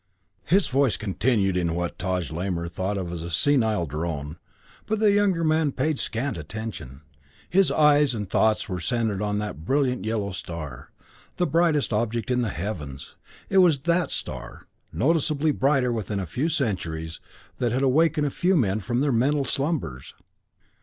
His voice continued in what Taj Lamor thought of as a senile drone, but the younger man paid scant attention. His eyes and thoughts were centered on that brilliant yellow star, the brightest object in the heavens. It was that star, noticeably brighter within a few centuries, that had awakened a few men from their mental slumbers.